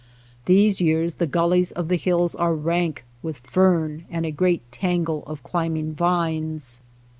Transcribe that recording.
These years the gullies of the hills are rank with fern and a great tangle of climbing vines.